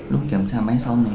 lúc kiểm tra máy xong